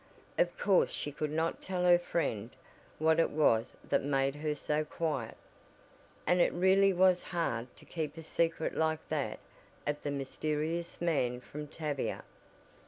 Of course she could not tell her friend what it was that made her so quiet, and it really was hard to keep a secret like that of the mysterious man from Tavia.